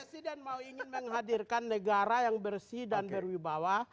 presiden mau ingin menghadirkan negara yang bersih dan berwibawa